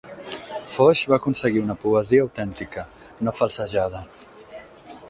Foix va aconseguir una poesia autèntica, no falsejada.